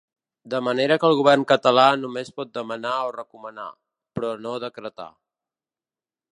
De manera que el govern català només pot demanar o recomanar, però no decretar.